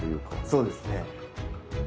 そうですね。